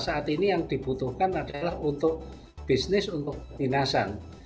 saat ini yang dibutuhkan adalah untuk bisnis untuk dinasan